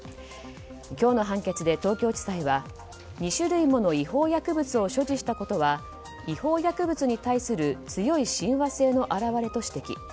今日の判決で東京地裁は２種類もの違法薬物を所持したことは違法薬物に対する強い親和性の表れと指摘。